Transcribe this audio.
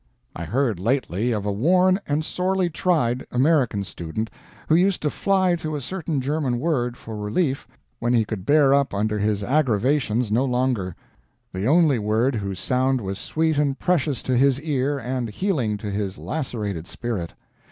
I heard lately of a worn and sorely tried American student who used to fly to a certain German word for relief when he could bear up under his aggravations no longer the only word whose sound was sweet and precious to his ear and healing to his lacerated spirit.